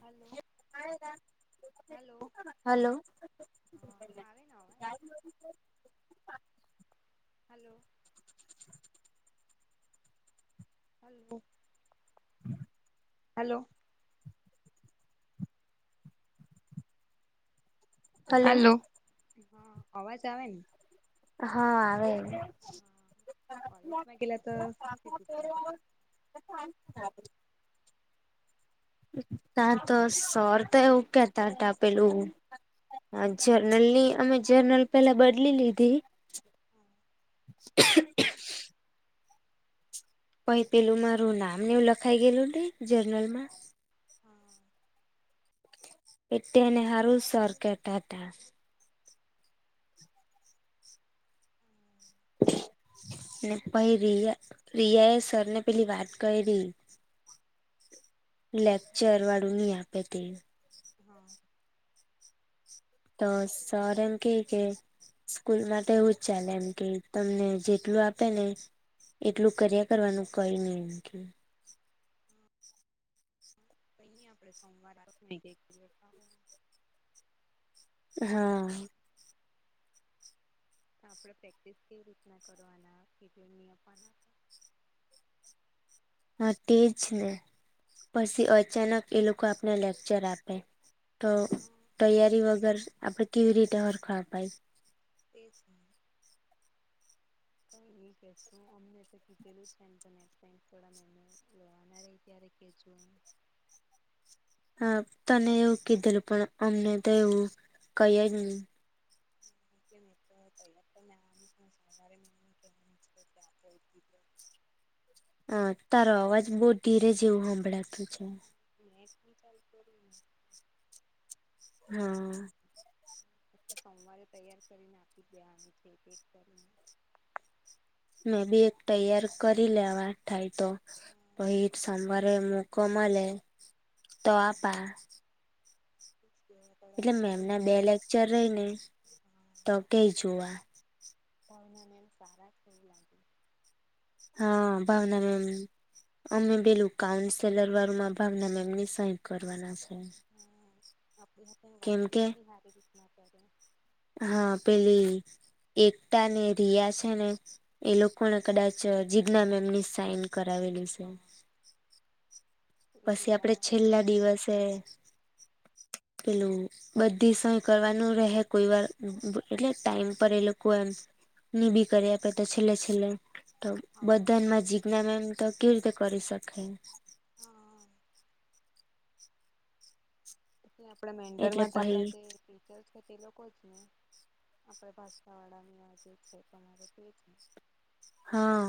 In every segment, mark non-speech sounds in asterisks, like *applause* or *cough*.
હાલો hello, hello હ આવે ને અવાજ હાલો *inaudible* હાલો હાલો હલો હાલો, હ અવાજ આવે ને? હા આવે. કોલેજમાં ગેલા તો હું કીધું સરે? *inaudible* તા તો સોર તો એવું કેતાતા પેલું આ, જર્નલની અમે જનરલ પેલા બડલી લીધી હા પઈ પેલું મારું નામ ને એવું લખાઈ ગેલું ને જર્નલ માં. હા. એ તે એને હારું સર કેટાટા હા ને પહી રિયા રિયા એ સરને પેલી વાત કઇરી લેક્ચર વાડુ ની આપે તે. હ. તો સર એમ કેય કે સ્કૂલમાં તો એવું જ ચાલે એમ કેય તમને જેટલું આપે ને એટલું કર્યા કરવાનું કઈ ની એમ કેય. કઈની આપળે સોમવાર *unintelligible* હા. આપણે પ્રેક્ટિસ કેવી રીતના કરવાના *unintelligible* ની આપવાના. હા, તે જ ને પછી અચાનક એ લોકો આપને લેક્ચર આપે. તો હા તૈયારી વગર આપડે કેવી રીતે હરખા અપાય. એ જ ને. કઇની કેશુ અમને તો કીધેલું છે એમ તો નેક્સ્ટ ટાઈમ થોડા મહિના લેવાના રેય ત્યારે કેજો ન *unintelligible* હા, તને એવું કીધેલું પણ અમને તો એવું કય જ ની *unintelligible* તૈયાર તો મે *unintelligible* હાં તારો અવાજ બોવ ધીરે જેવું હંભળાતું છે. નેટ ની ચાલુ કયરુ ને હા. સોમવારે તૈયાર કરીને આપી જ દેવાની *unintelligible* એક કરીને. મે બી એક તૈયાર કરી લેવા થાય તો. હા પહી ત સોમવારે મોકો મલે તો હા આપડે આપા. એટલે એવી મેમને બે રીતના લેક્ચર રેઇને તો કેય જોવા. ભાવના મેમ સારા એવુ લાગે. હાં, ભાવના મેમ અમે પેલું કાઉન્સેલર વારુ માં ભાવનામેમની સહી કરવાના છે. આપણી આપણી કેમ વાતની બી હારી રીતના કરે. હાં પેલી એકતા ને રિયા છે ને એ લોકોને કદાચ જીજ્ઞા મેમની સાઈન કરાવેલું છે. હા એ પછી આપડે રિયા છેલ્લા દિવસે પેલું બધી સય કરવાનું રેહે કોઈ વાર એટલે ટાઈમ પર એ લોકો એમ ની બી કરી આપે તો છેલ્લે- છેલ્લે તો હા બધામાં જીજ્ઞા મેમ તો કેવી રીતે કરી શકે હા. આપણા એટલે મેન્ટરમાં તો આપડા પહી જે ટીચર્સ છે તે લોકો જ ને આપણે ભાસ્કા વાળાની આ જે છે તમારે તે છે. હા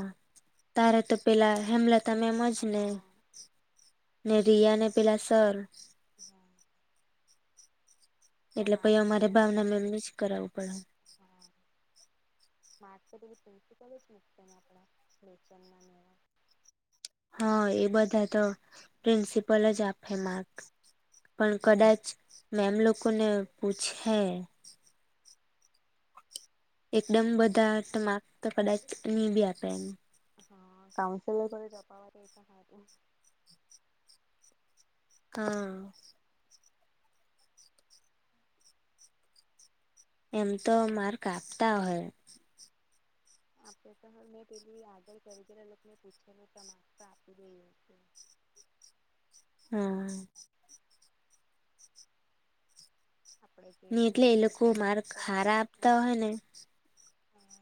તારે તો પેલા હેમલતા મેમ જ હા ને રિયા ને પેલા સર એના તો એટલે પછી માર્કને અમારે ભાવના મેમને જ કરાવું પડે. હા. મારે તો પેલી પ્રિન્સિપલ જ મુકતીને આપણા લેશનના મેમ હા એ બધા તો પ્રિન્સિપલ જ આપે માર્ક પણ કદાચ મેમ લોકો ને પૂછે એકદમ એ છે બધા તમાર માર્ક તો કદાચ નહી બી આપે એમ હા કાઉન્સિલર જ *unintelligible* હ હા. એમ તો માર્ક આપતા હોય. આપે તો હ મેં પેલી આગળ કવિતા ને એ લોકોને પૂછેલુ તો કે માર્ક તો આપી દઈ હ. હમ. આપણે જે નઈ એટલે મેન એ તો લોકો પ્રેક્ટિસ માર્ક હારા કરવાની આપતા હોય ને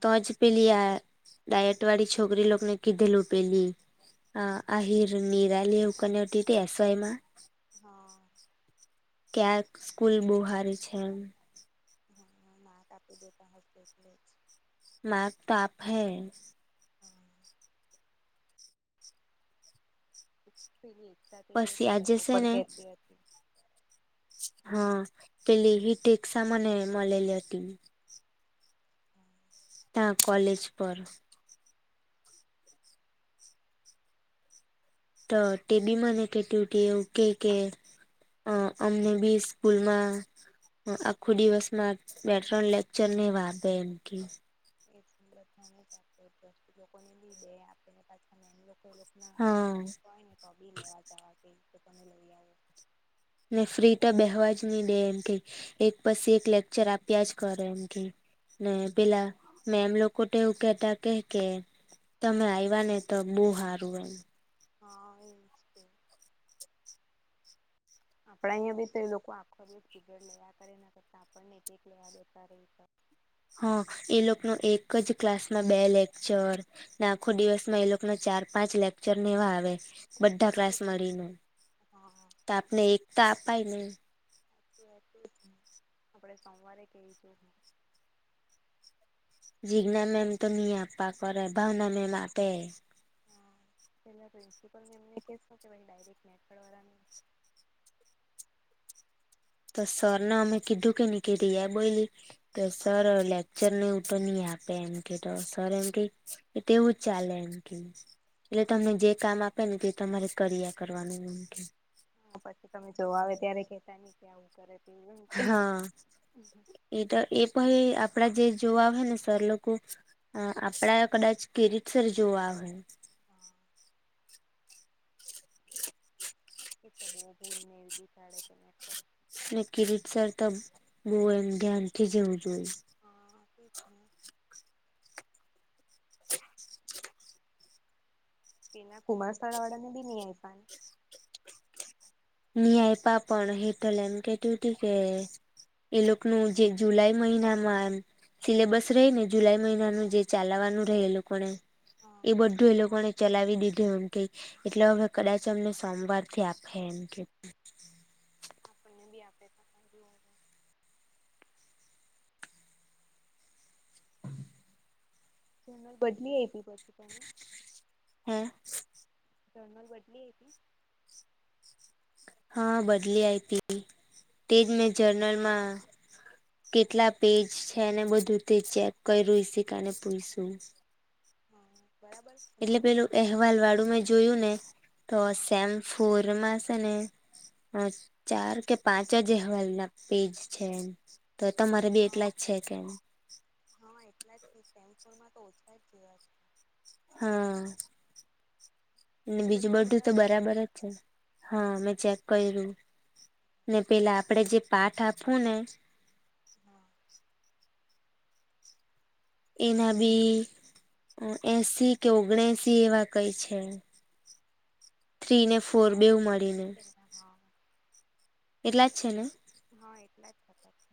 તોજ પેલી આ ડાયટ વાડી છોકરી લોકને કીધેલું પેલી હા. આહિર નિરાલી કરીને હતી તે એસવાયમાં હા. ક્યાંક સ્કૂલ બહુ સારી છે. હા માર્કસ કાપી દેતા *unintelligible* જ માર્ક કાપશે *inaudible* પેલી એકતા તે દિવસ પછી એ આજે ડેપો છે પર ને કહેતી હતી. હા એમ પેલી કે હીટેક્ષા મને મળેલી હતી. ત્યાં કોલેજ પર તો તે પણ મને કહતી હતી કે એવું કહે કે હા. અમને બી સ્કૂલમાં આખું દિવસમાં બે ત્રણ લેક્ચર ને વા આપે એમ કહે એ બધા ને જ આપે *unintelligible* અને એમ લોકો એ લોકોના હા *unintelligible* હોય ને તો આ બી લેવા જવા કે તો તમે લઈ આવો. ને ફ્રી તો બેસવા જ નહી દે એમ કહે એક પછી એક લેક્ચર આપ્યા જ કરે એમ કહે ને પેલા મેમ લોકો તો એવું કહેતા કહે કે તમે આવ્યા ને તો બહુ સારું એમ. હા એજ કહે. આપણા અહીંયા બે એ લોકો આખો *unintelligible* હા એ લોકોનો એક જ ક્લાસમાં બે લેક્ચર ને આખો હા દિવસમાં એ લોકો ના ચાર પાંચ લેક્ચર એવા આવે. બધા ક્લાસ એજ ને મળીને હા તો આપણને એક તો અપાય ને આપણે સોમવારે કહી જોઈએ. જીજ્ઞા મેમ તો નહી આપવા કરે ભાવના મેમ આપે. હા પહેલા પ્રિન્સિપલ મેમ એમને કહેશો કે ભાઈ ડાયરેકટ *unintelligible* તો સર ને અમે કીધુ કે રીયા બોલી તો સર લેક્ચરને એ તો નહી આપે એમ કે તો સર એમ કહે તેવું જ ચાલે એમ એટલે તમને જે કામ આપેને તે તમારે કર્યા કરવાનુ એમ કહે. હા. પછી તમે જોવા આવે ત્યારે કહેતાની કે આવું કરે. તેવું એમ કે હા એ પછી આપણા જે જોવા આવશે ને સર લોકો હક. આપણા કદાચ કિરીટ સર જોવા આવશે. હા એતો બહુ ભૂલ ને એવી કાઢે તને ક ને કિરીટ સર તો બહુ એમ ધ્યાનથી જેવું જોય. હા તે જ ને. એના કુમાર શાળા વાળા ને પણ નહી આપયાને ની આપયા પણ હેટલ એમ કહેતી હતી કે એ લોકોનું જે જુલાઈ મહિનામાં એમ સિલેબસ રહે ને જુલાઈ મહિનાનું જે ચાલવાનું રહે એ લોકોને હા એ બધું એ લોકોને ચલાવી દીધું એમ કઈ એટલે હવે કદાચ અમને સોમવાર થી આપે એમ કહે. *unintelligible* આપણને પણ આપે. *unintelligible* જર્નલ બદલી આપી પછી તને. હા. જર્નલ બદલી આપી. હા. બદલી આપી તે જ મેં જર્નલમાં કેટલા પેજ છે ને બધું તે ચેક કર્યું ઈશિકાને પુયશું. હા બરાબર છે ને એટલે અવાજ પેલું અહેવાલ વાળું મેં જોયું ને તો હા સેમ ફોરમાં છે ને, હ ચાર કે પાંચ જ અહેવાલના પેજ છે. તો તમારે બી હા એટલા જ છે કે? હા એટલા જ કે કેમપરમાં તો ઓછા જ જેવા છે. હા અને બીજું બધું તો બરાબર જ છે- હા મે ચેક કર્યું. ને પેલા આપણે જે પાઠ આપવું ને હા. એના બી - એસી કે ઓગણા એસી એવા કંઈ છે. થ્રી ને ફોર હા. બેવ મળીને *inaudible* એટલા જ છે ને? હા એટલા જ થતા તા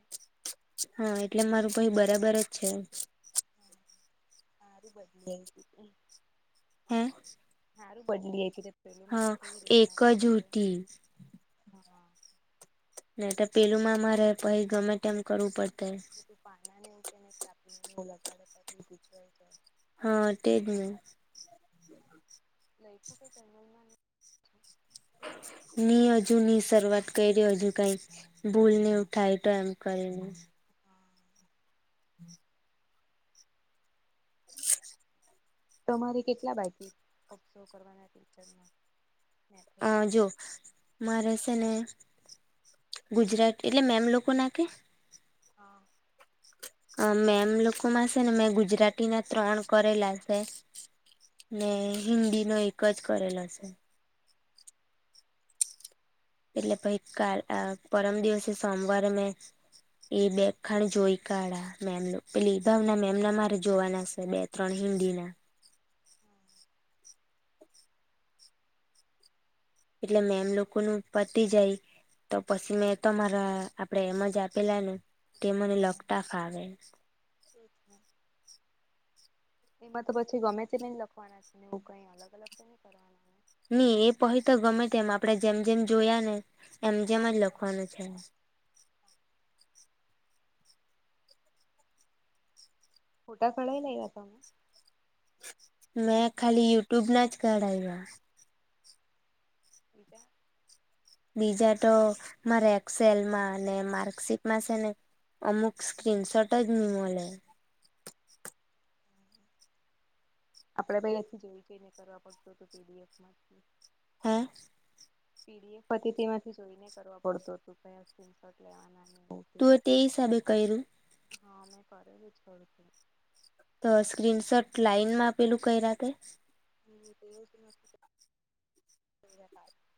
હા એટલે મારું ભાઈ બરાબર જ છે. હારું બદલી એતી હે હારું બદલી આઈ તી તે હા કે એક જ ઉઠી હા હા. ને તો પેલુંમાં મારે પહી ગમે તેમ કરવું પડતે. *inaudible* હા તે જ ને. લઈખું કે જર્નલમાં? *unintelligible* ની હજુ ની શરૂઆત કરી હજુ કંઈ ભૂલ ને ઉઠાય તો એમ કરીને. તમારે કેટલા બાકી *inaudible* કરવાના ટીચરમાં. આજો. મારે શેને ગુજરાતી એટલે મેમ લોકો ના કે હા. અ મેમ લોકો માં છે ને મેં ગુજરાતી ના ત્રણ કરેલા છે. ને હિન્દી નો એક જ કરેલો છે. એટલે પહિ કાલ અ પરમ દિવસે સોમવાર મેં એ બે ખાણ જોઈ કાઢા મેમનુ પેલી ભાવના મેમ ના મારે જોવાના છે બે ત્રણ હિન્દી ના. હા એટલે મેમ લોકો નુ પતી જાય તો પછી મેં મારા આપડે એમ જ આપેલા ને તે મને હા. લખતા ફાવે. એ જ છે. એમાં તો પછી ગમે તે નહી લખવાના છે ને એવું કઈ અલગ અલગ તો નઈ કરવાના. ને. ની એ પહી તો ગમે તેમ આપણે જેમ જેમ જોયા એમ જેમ જ લખવાનું છે. ફોટા પળાઈ લાયવા તમે. મે ખાલી યુટ્યુબ ના જ કઢાયવા. બીજા. બીજા તો મારે એક્સેલમાં ને માર્કશીટમાં છે ને અમુક સ્કીનશોટ જ મલે. આપડે પહી એકદમ જોઈ જોઈને કરવા પડતું હતુ પીડીએફમાં. હે. પીડીએફ હતી તેમાંથી જોઈને કરવા પડતુ હતું કયા સ્ક્રીનશોટ લેવાના ને બવ તું એ તે હિસાબે કયરૂ. હ મેં કરેલું જ થોડુંક તો. તો સ્ક્રીનશોટ લાઈનમાં આપેલું કયરા તે. હમ તેવું તો નથી કર્યું *unintelligible*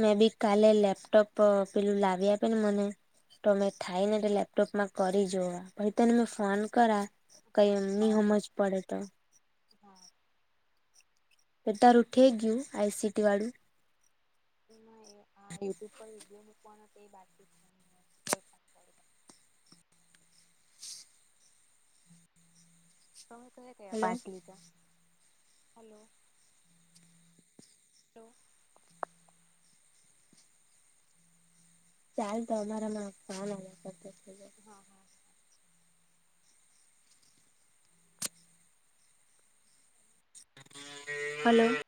મેં બી કાલે લેપટોપ પેલું લાવી આપે ને મને તો મે થાય ને એટલે લેપટોપમાં કરી જોવા પણ તને મે ફોન કરા કઈ હા એમ ની સમજ પડે તો હા એ તારૂ થેઈ ગયુ આઈ સિટી વાળું. હા એ આ યુટ્યુબ પર વિડીયો મુકવાનો તે બાકી છે તમે કયા-કયા હલો પાંચ લીધા હલો. હલો. ચાલ તો અમારામાં કામ આયવા કરતુ છે તો. હા-હા. હલો.